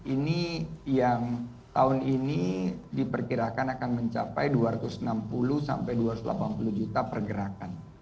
ini yang tahun ini diperkirakan akan mencapai dua ratus enam puluh sampai dua ratus delapan puluh juta pergerakan